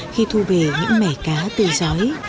khi thu về những mẻ cá từ giói